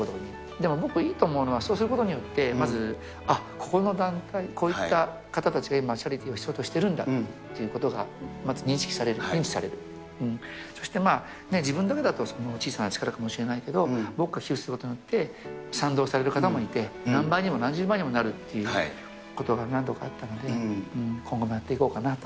でも僕、いいと思うのは、そうすることによって、まずあっ、ここの団体、こういった方たちが今、チャリティーを必要としてるんだ、まず認識される、認知される、そして自分だけだと小さな力かもしれないけど、僕が寄付することによって賛同される方もいて、何倍にも何十倍にもなるっていうことが何度かあったので、今後もやっていこうかなと。